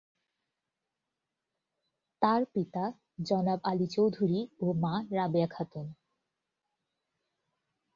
তার পিতা জনাব আলী চৌধুরী ও মা রাবেয়া খাতুন।